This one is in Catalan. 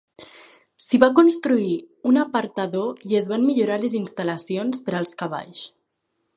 S'hi va construir un apartador i es van millorar les instal·lacions per als cavalls.